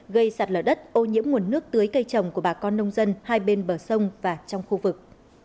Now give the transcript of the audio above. gây sạt lở đất ô nhiễm nguồn nước tưới cây trồng của bà con nông dân hai bên bờ sông và trong khu vực